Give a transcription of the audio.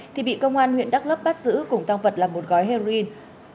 thì bị công an huyện đắc lấp bắt giữ cùng tăng vật làm một gói heroin